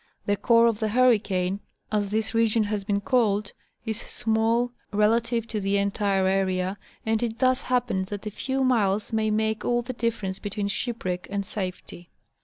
The core of the hurricane, as this region has been called, is small, rel ative to the entire area, and it thus happens that a few miles may make all the difference between shipwreck and safety.